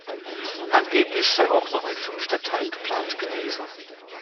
Angeblich sei auch noch ein fünfter Teil geplant gewesen.